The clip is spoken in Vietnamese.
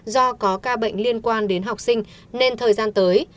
do có ca bệnh liên quan đến học sinh nên thời gian tới